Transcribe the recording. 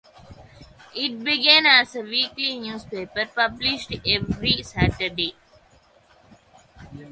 It began as a weekly newspaper published every Saturday.